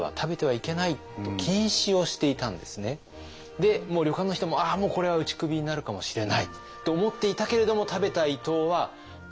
でもう旅館の人も「ああもうこれは打ち首になるかもしれない！」と思っていたけれども食べた伊藤は大変喜んで。